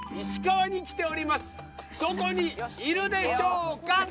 どこにいるでしょうか？